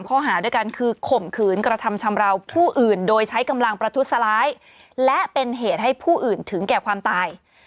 ข้อหาด้วยกันคือข่มขืนกระทำชำราวผู้อื่นโดยใช้กำลังประทุษร้ายและเป็นเหตุให้ผู้อื่นถึงแก่ความตาย